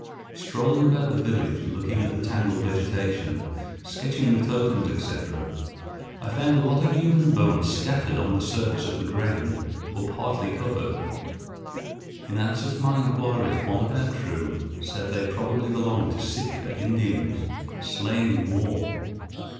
Strolling about the village, looking at the tangled vegetation, sketching the totems, etc., I found a lot of human bones scattered on the surface of the ground or partly covered. In answer to my inquiries, one of our crew said they probably belonged to Sitka Indians, slain in war.